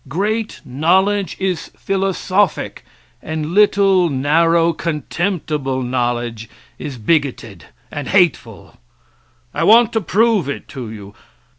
Great knowledge is philosophic, and little, narrow, contemptible knowledge is bigoted and hateful. I want to prove it to you.